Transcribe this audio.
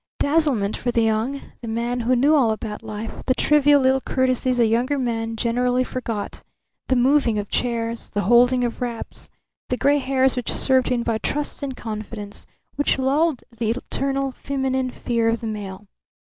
Dazzlement for the young; the man who knew all about life, the trivial little courtesies a younger man generally forgot; the moving of chairs, the holding of wraps; the gray hairs which served to invite trust and confidence, which lulled the eternal feminine fear of the male.